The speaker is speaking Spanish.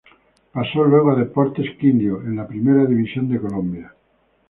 Pasó luego a Deportes Quindío, en la Primera División de Colombia.